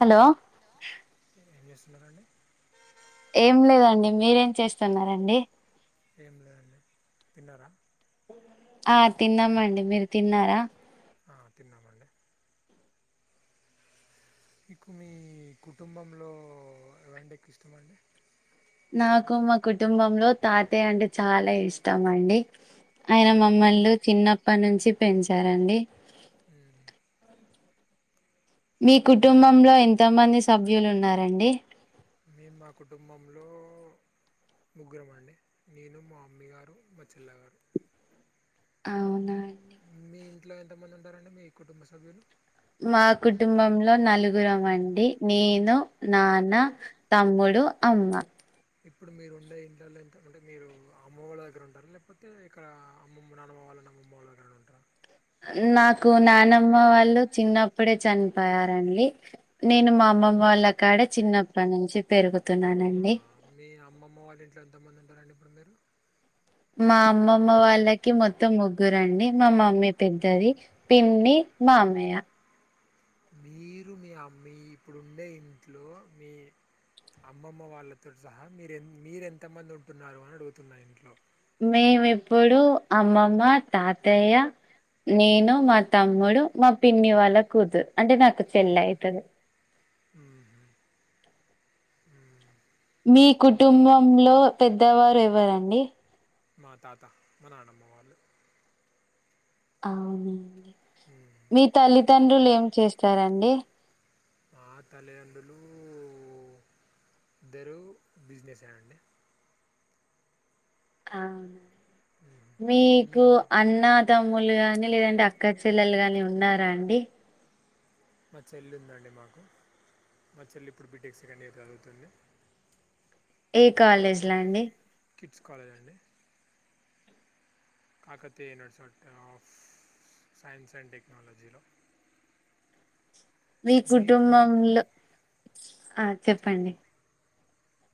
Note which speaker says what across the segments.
Speaker 1: Hello
Speaker 2: ఎన్నిస్తుినారణే
Speaker 1: ఏం లేదండి మీరేం చేస్తున్నారండి
Speaker 2: ఏం లేదండి తిన్నారా
Speaker 1: ఆ తిన్నామండి మీరు తిన్నారా
Speaker 2: ఆ తిన్నామండి మీకు మీ కుటుంబంలో ఎవంటే ఎక్కువ ఇష్టం అండి
Speaker 1: నాకు మా కుటుంబంలో తాతయ్య అంటే చాలా ఇష్టం అండి ఆయన
Speaker 2: మ్మ్.
Speaker 1: మమ్మల్ని చిన్నప్పటి నుంచి పెంచారండి
Speaker 2: మ్మ్ హ్
Speaker 1: మీ కుటుంబంలో ఎంతమంది సభ్యులు ఉన్నారండి
Speaker 2: మేము మా కుటుంబంలో ముగ్గురం అండి నేను మా అమ్మ గారు మా చెల్లగారు
Speaker 1: అవునాండి
Speaker 2: మీ ఇంట్లో ఎంతమంది ఉంటారండి మీ కుటుంబ సభ్యులు
Speaker 1: మా కుటుంబంలో నలుగురమండి నేను నాన్న తమ్ముడు అమ్మ
Speaker 2: ఇప్పుడు మీరు ఉండే ఇంట్లో ఎంతంటే మీరు అమ్మ వాళ్ళ దగ్గర ఉన్నారా లేకపోతే ఇక్కడ అమ్మమ్మ నానమ్మ వాళ్ళ అమ్మోళ్ళతో ఉంటారా
Speaker 1: నాకు నానమ్మ వాళ్ళు చిన్నప్పుడే చనిపోయారండి నేను మా అమ్మ అమ్మమ్మ వాళ్ళ కాడ చిన్నప్పటి నుంచి పెరుగుతున్నానండి
Speaker 2: మీ అమ్మమ్మ వాళ్ళ ఇంట్లో ఎంతమంది ఉంటారండి ఇప్పుడు మీరు
Speaker 1: మా అమ్మమ్మ వాళ్ళకి మొత్తం ముగ్గురండి మా మమ్మీ పెద్దది పిన్ని మామయ్య
Speaker 2: మీరు మీ ఇప్పుడుండే ఇంట్లో మీ అమ్మమ్మ వాళ్ళతో సహా మీరు మీరు ఎంత మంది ఉంటున్నారు అని అడుగుతున్న ఇంట్లో
Speaker 1: మేమిప్పుడు అమ్మమ్మ తాతయ్య నేను మా తమ్ముడు మా పిన్ని వాళ్ళ కూతురు అంటే నాకు చెల్ల అవుతుంది
Speaker 2: హ
Speaker 1: మీ కుటుంబంలో పెద్దవారు ఎవరండి
Speaker 2: మా తాతా మా నానమ్మ వాళ్ళు
Speaker 1: అవునండి
Speaker 2: ఊహు
Speaker 1: మీ తల్లితండ్రులు ఏం చేస్తారండి
Speaker 2: మా తల్లిదండ్రులు ఇద్దర బిజినెసే అండి
Speaker 1: అవునా
Speaker 2: మ్మ్
Speaker 1: మీకు
Speaker 2: మేం
Speaker 1: అన్న తమ్ములు గాని లేదంటే అక్క చెల్లెలు గాని ఉన్నారా అండి
Speaker 2: మా చెల్లి ఉందండి మాకు మా చెల్లి ఇప్పుడు బీటెక్ సెకండ్ ఇయర్ చదువుతుంది
Speaker 1: ఏ కాలేజ్ లో అండి
Speaker 2: కిడ్స్ కాలేజ్ అండి Kakatiya university of science and technology లో
Speaker 1: మీ కుటుంబంలో ఆ చెప్పండి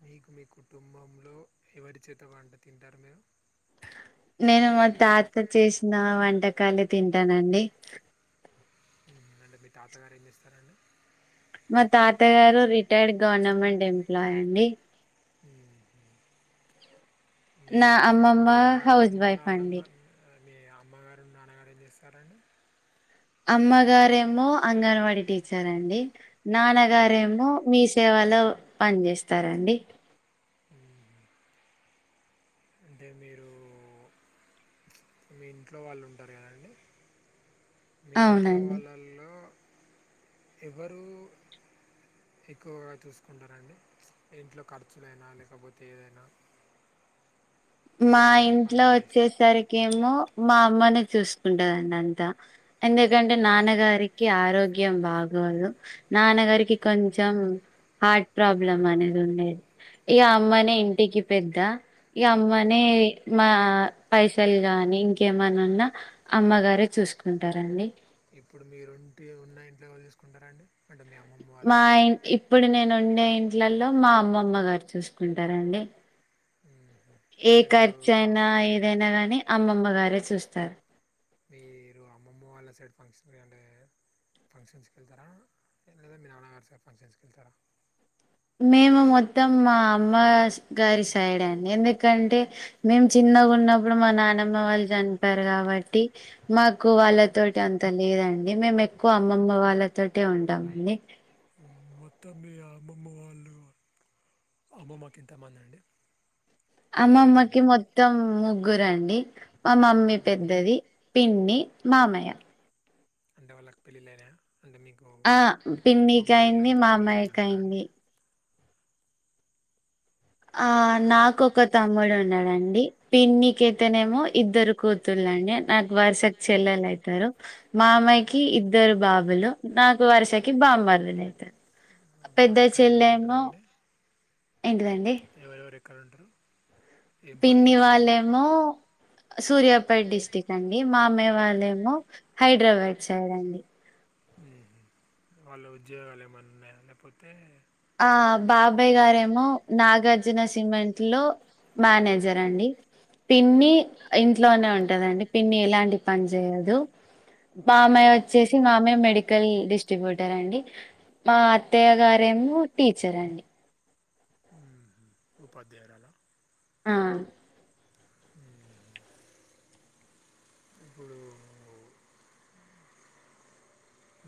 Speaker 2: మీకు మీ కుటుంబంలో ఎవరి చేత వంట తింటారు మీరు
Speaker 1: నేను మా తాత చేసిన వంటకాలే తింటానండి
Speaker 2: అంటే మీ తాతగారు ఏం చేస్తారండి
Speaker 1: మా తాత గారు రిటైర్డ్ గవర్నమెంట్ ఎంప్లాయ్ అండి
Speaker 2: మ్మ్ మీ
Speaker 1: మా అమ్మమ్మ
Speaker 2: మమ్మీ గారు
Speaker 1: హౌస్ వైఫ్
Speaker 2: నాన్నమ్మ
Speaker 1: అండి
Speaker 2: మీ అమ్మగారు నాన్నగారు ఏం చేస్తారండి
Speaker 1: అమ్మగారేమో అంగన్వాడీ టీచర్ అండి నాన్నగారేమో మీ సేవ లో పని చేేస్తారండి
Speaker 2: మ్మ్ అంటే మీరు మీ ఇంట్లో వాళ్ళు ఉంటారు కదండి మీ ఇంట్లో
Speaker 1: అవునండి.
Speaker 2: వాళ్ళల్లో ఎవరు ఎక్కువగా చూసుకుంటారంండి ఇంట్లో ఖర్చులైనా లేకపోతే ఏదైనా
Speaker 1: మా
Speaker 2: ఏం
Speaker 1: ఇంట్లో
Speaker 2: పనులు చేసినా
Speaker 1: వచ్చేసరికిేమో మా అమ్మనే చూసుకుంటదండి అంతా ఎందుకంటే నాన్నగారికి ఆరోగ్యం బాగు గోదు నాన్నగారికి కొంచెం హార్ట్ ప్రాబ్లం అనేది ఉండేది ఇగా అమ్మనే ఇంటికి పెద్ద ఇగా అమ్ అమ్మనే మా పైసలు గాని ఇంకేమనా ఉన్నా అమ్మగారే చూసుకుం ఉంటారండి
Speaker 2: ఇప్పుడు మీరుంటి ఉన్న ఇంట్లో ఎవళ్ళు చూసుకుంటారండి
Speaker 1: మా ఇ ఇప్పుడు నేను ను ఉండే ఇంట్లలో మా అమ్మమ్మ గారు చూసుకుంటారంండి
Speaker 2: మ్మ్
Speaker 1: ఏ
Speaker 2: అంటే మీరు
Speaker 1: ఖర్చు
Speaker 2: ఆ
Speaker 1: అయినా ఏదైనా గానీ అమ్మమ్మ గారే చూస్తారు
Speaker 2: మీరు అమ్మమ్మ వాళ్ళ సైడ్ ఫంక్షన్ గా నే ఫంక్షన్స్కి వెళ్తారా లేదా మీ నాన్నగారు సా ఫంక్షన్స్కి వెళ్తారా
Speaker 1: మేము మొత్తం మా అమ్మ గా గారి సైడ్ అండి ఎందుకంటే మేము చిన్ చిన్నగా ఉన్నప్పుడు మా నానమ్మ వాళ్ళు చనిపోయారు కాబట్టి మాకు వాళ్ళ తోటి అంత లేదండి అండి మేము ఎక్కువ అమ్మమ్మ వాళ్ళతో ఉంటామ అండి
Speaker 2: మొత్తం మీ అమ్మమ్మ వాళ్ళు అమ్మమ్మకి ఇంతమంది అండి కొడుకులు బిడ్డలు
Speaker 1: అమ్మమ్మకి మొత్తం ముగ్గురండి మా మమ్మీ
Speaker 2: మ్మ్.
Speaker 1: పెద్దది పిన్ని మామయ్య
Speaker 2: అంటే వాళ్ళకి పెళ్ళిళ్ళైనా అంటే మీకు
Speaker 1: ఆ పిన్నికి
Speaker 2: బామ్మర్దులు
Speaker 1: అయింది
Speaker 2: కానీ తమ్ముళ్ళు వాళ్ళు
Speaker 1: మామయ్యకి
Speaker 2: ఉన్నారా అండి
Speaker 1: అయింది ఆ నాకొ ఒక తమ్ముడు ఉన్నాడంండి పిన్నికైతనేమో ఇద్దరు కూతుల్ అండి నాకు వరుసకు చెల్లెలు అయితారు మామయ్యకి ఇద్దరు బాబులు నాకు వరుస నాకి బా మార్దయిలు అయితరు
Speaker 2: బ
Speaker 1: పెద్ద చెల్లమో ఏంటిదండి
Speaker 2: ఎవరెవరు ఎక్కడ ఉంటరు
Speaker 1: పిన్నివాళ్ళేమో సూర్యాపేట్ డిస్టిక్ట్ అండి మామయ్య వాళ్ళేమో హైదరాబాద్ సైడ్ అండి
Speaker 2: ఉ వాళ్ళు ఉద్యోగాలు ఏమైన్నా ఉన్నాయా లేపోతే
Speaker 1: ఆ బాబాయ్ గారేమో నాగార్జున సిమెంట్ లో మేనేజర్ అండి పిన్ని ఇంట్లోనే ఉంటదండి పిన్ని ఎలాంటి పని చేయదు బామయ్య వచ్చేసి మామయ్య మెడికల్ డిస్ట్రిబ్యూటర్ అండి మా అత్తయ్య గారేమో టీచర్ అండి
Speaker 2: ఉపాధ్యాయురాల
Speaker 1: ఆ
Speaker 2: ఊహు ఇప్పుడు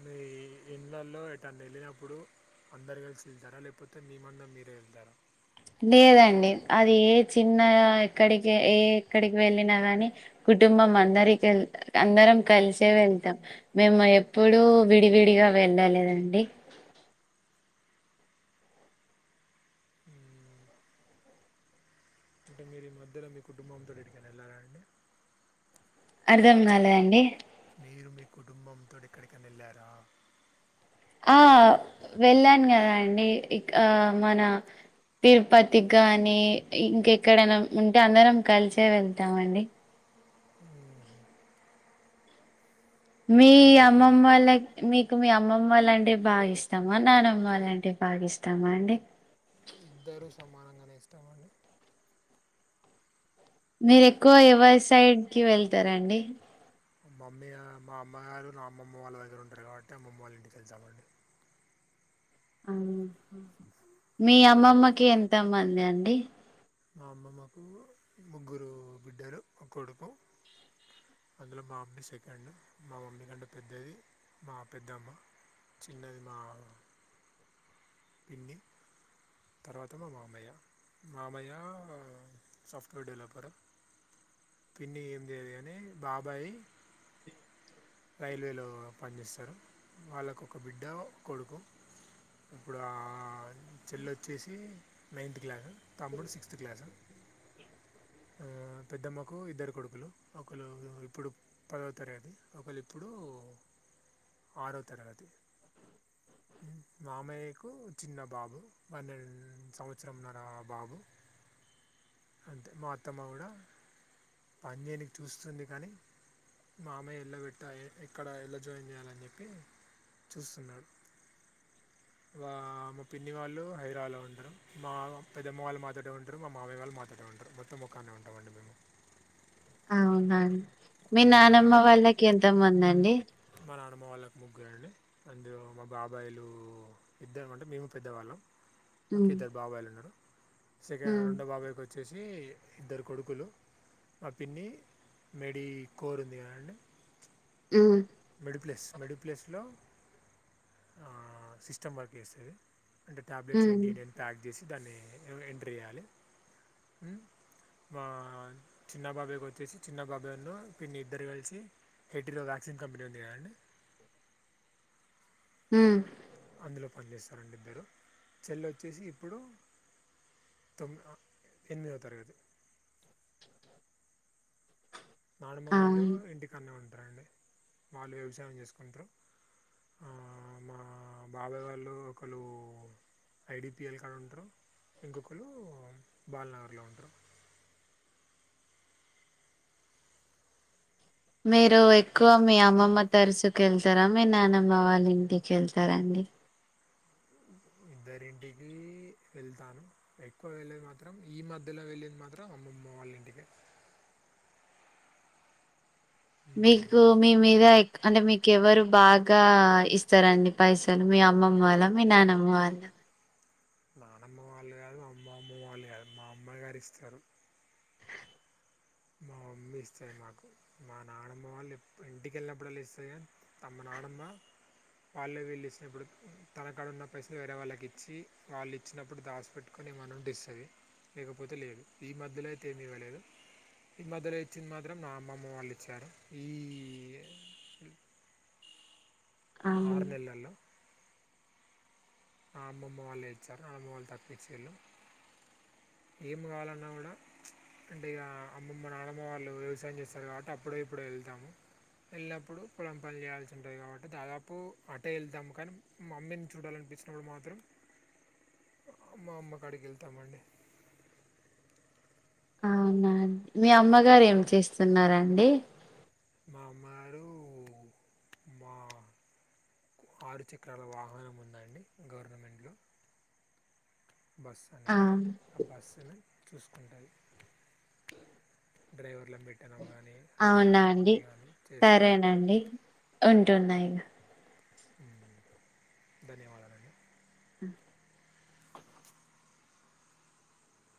Speaker 2: మీ ఇళ్ళలో ఏంటన్న వెళ్ళినప్పుడు అందరు కలిసి వెళ్తారా లేకపోతే మీమందనా మీరే వెళ్తారా
Speaker 1: లేదండి అది ఏ చిన్న ఇక్కడికి ఏ ఎక్కడికి వెళ్ళినా గాని గు కుటుంబం అందరికె అందరం కలిసే వెళ్తాం మేము ఎప్పుడు విడివిడిగా వెళ్ళాలేదండి
Speaker 2: [inaudible] ఊమ్ అంటే మీరు ఈ మధ్యలో మీ కుటుంబంతో ఎటికైన ఏళ్ళారా అండి
Speaker 1: అర్ధం కాలేదండి
Speaker 2: నేరు మీ కుటుంబం తోటి ఎక్కడికి
Speaker 1: ఆ వెళ్ళాను కదా అండి ఇ మన తిరుపతికి కానీ ఇంకెక్కడైనా ఉంటే అందరం కలిసే వెళ్తామండి
Speaker 2: ఊహు
Speaker 1: మీ
Speaker 2: అంటే
Speaker 1: అమ్మమ్మ
Speaker 2: అప్పుడు
Speaker 1: వాళ్ళ మీ మీ అమ్మమ్మ వాళ్ళ అంటే బాగా ఇస్తామా నానమ్మ వాళ్ళంటే బాగా ఇస్తామా అండి
Speaker 2: ఇద్దరు సమానంగానే ఇష్టామండి
Speaker 1: మీరు ఎక్కువ ఎవరి సైడ్కిి వెళ్తారండి
Speaker 2: మా మమ్మ మా అమ్మయి గారు నా అమ్మమ్మ వాళ్ళ దగ్గర ఉంటారు కాబట్టి అమ్మమ్మ వాళ్ళ ఇంటికి తెలిదామండి
Speaker 1: మీ అమ్మమ్మకి ఎంత మంది అండి
Speaker 2: మా అమ్మమ్మకు ముగ్గురు బిడ్డలు ఒ కొడుకు అందులో మా అమ్మని సెకండ్ మా మమ్మీ కంటే పెద్దది మా పెద్ద అమ్మ చిన్నది మా పిన్ని తర్వాత మా మామయ్య మామయ సాఫ్ట్వేర్ డెవలపర్ పిన్ని ఏం చేయదు అని బాబాయి్ రైల్వేలో పనిచేస్తారు వాళ్ళకు ఒక బిడ్డ కొడుకు ఇప్పుడు ఆ చెల్ల వచ్చేసి నైన్త్ క్లాసు తమ్ముడు సిక్స్త్ క్లాసు పెద్దమ్మకు ఇద్దరు కొడుకు ఒకళ ఇప్పుడు పదవ తరగది ఒకళ ఇప్పుడు ఆరో తరగతి మామయ్యకు చిన్న బాబు పన్నెడు సంవత్సరంన్నార బాబు అంతే మా అత్తమ్మ కూడా పని నేనికి చూస్తుంది కానీ మామయ్య ఎలా పెట్ట ఎక్కడ ఎలా జాయిన్ చేయాలని చెప్పి చూస్తున్నారు వా మా పిన్ని వాళ్ళు హైరాలో ఉంటారు మా పెద్దమ్మ వాళ్ళ మాతోటే ఉంటారు మామయ వాళ్ళు మాతోలాటే ఉంటారు మొత్తం ముఖానే ఉంటామండి మేము
Speaker 1: అవునాండి మీ నానమ్మ వాళ్ళకి ఎంత మంది అండి
Speaker 2: మా నాన్నమ్మ వాళ్ళకు ముగ్గు అండి అందులో మా బాబాయిలు ఇద్దరం అంటే మేము పెద్దవాళ్ళం మాకు
Speaker 1: హ్మ్
Speaker 2: ఇద్దరు బాబాయిలు ఉన్నారు సెకండ్
Speaker 1: హ్మ్
Speaker 2: రెండో బాబాయికి వచ్చేసి అ ఇద్దరు కొడుకులు మా పిన్ని మేడిీ కోరు ఉంది కదండి
Speaker 1: ఆ
Speaker 2: మెడిప్లస్ మెడిప్లస్లో సిస్టమ్ వర్క్ చేస్తుంది అంటే టాబ్లెట్స్
Speaker 1: హ్మ్
Speaker 2: ఏంటింటి అని ప్యాక్ చేసి దాన్ని ఎంటరే చేయాలి మా చిన్న బాబాకి వచ్చేసి చిన్న బాబాయి పిన్ని ఇద్దరు కలిసి వ్యాక్సిన్ కంపెనీ ఉందిడి
Speaker 1: హ
Speaker 2: ఇందులో పనిచేస్తారండి ఇద్దరు చెల్ల వచ్చేసి ఇప్పుడు తొమ్మి ఎనిమిదవ తరగతి నానమ్మ వాళ్ళు
Speaker 1: అవును
Speaker 2: ఇంటికన్న ఉంటారండి వాళ్ళు వ్యవసాయం చేసుకుంటారు మా బాబాయ్ వాళ్ళు ఒకళు ఐడిపిఎల్ కాడ ఉంటారు ఇంకొకరు బాల్ నగర్లో ఉంటారు
Speaker 1: మీరు ఎక్కువ మీ అమ్మమ్మ తరచూక వెళ్తారా మీ నానమ్మ వాళ్ళ ఇంటికి వెళ్తారడి అడి
Speaker 2: [inaudible] ఇద్దరింటికి వెళ్తాను ఎక్కువ వెళ్ళేది మాత్రం ఈ మధ్యలో వెళ్ళేది మాత్రం అమ్మమ్ న్లైన్ టికెట్
Speaker 1: మీకు మీ మీద అంటే మీకు ఎవరు బాగా ఇస్తారండి పైసలు మీ అమ్మమ్మ వాళ్ళ మీ నానమ్మ వాళ్ళ
Speaker 2: నానమ్మ వాళ్ళు కాదు మా అమ్మ అమ్మ వాళ్ళు కాదు మా అమ్మ గారు ఇస్తారు. మా మమ్మీ ఇస్తది నాకు మా నానమ్మ వాళ్ళు ఇంటికెళ్ళినప్పుడల్లా ఇస్తది కాని తమ్మ నా ఆడమ్మా వాళ్ళు వీళ్ళు ఇచ్చినప్పుడు తన కాడ ఉన్న పైసలు వేరే వాళ్ళకి ఇచ్చి వాళ్ళు ఇచ్చినప్పుడు దాసిపెట్టుకొని ఏమనుంటే ఇస్తది లేకపోతే లేదు ఈ మధ్యలో అయితే ఏమి ఇవ్వలేదు ఈ మధ్యలో ఇచ్చింది మాత్రం మా అమ్మమ్మ వాళ్ళు ఇచ్చారు ఈ
Speaker 1: అవును
Speaker 2: ఆరునెలల్లో ఆ అమ్మమ్మ వాళ్ళు ఇచ్చారు అమ్మ వాళ్ళు తక్కుభ ఇచ్చిళ్ళు ఏమ్ గావాలన్నా గూడా అంటే ఇగ అమ్మమ్మ నానమ్మ వాళ్ళు వ్యవసాయం చేస్తారు కాబట్టి అప్పుడే ఇప్పుడే వెళ్తాము వెళ్ళినప్పుడు పొలం పని చేయాల్సి ఉంటది కాబట్టి దాదాపు అటే వెళ్తాము కానీ మమ్మీని చూడాలనిపిస్తుంది. అప్పుడు మాత్రం మా అమ్మకాడికి వెళ్తామండి
Speaker 1: అవునాండి మీ అమ్మగారు ఏమి చేస్తున్నారండి
Speaker 2: మా అమ్మగారు మా ఆరు చక్రాల వాహనం ఉందండి గవర్నమెంట్లో బస్
Speaker 1: ఆ
Speaker 2: అనేది ఆ బస్సులో చూసుకుంటది డ్రైవర్లను పెట్టడం కానీ అది
Speaker 1: అవునా
Speaker 2: కానీ
Speaker 1: అండి
Speaker 2: ఇది కానీ చేస్తుంది
Speaker 1: సరేనండి ఉంటున్నా ఇగ
Speaker 2: ఉమ్ ధన్యవాదాలండి
Speaker 1: ఉమ్